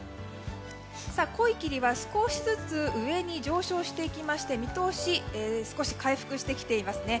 濃い霧は少しずつ上に上昇していきまして見通しは少し回復してきていますね。